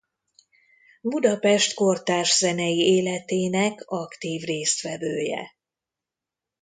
Budapest kortárs zenei életének aktív résztvevője.